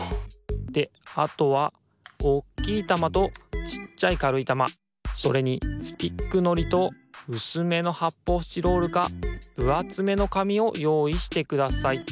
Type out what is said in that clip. であとはおっきいたまとちっちゃいかるいたまそれにスティックのりとうすめのはっぽうスチロールかぶあつめのかみをよういしてください。